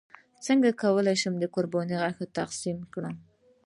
څنګه کولی شم د قرباني غوښه تقسیم کړم